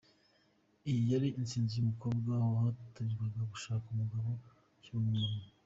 Iyi yari intsinzi y'umukobwa wahatirwaga gushaka umugabo akiri umwana.